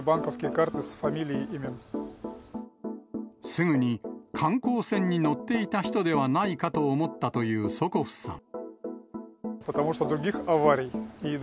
すぐに観光船に乗っていた人ではないかと思ったというソコフさん。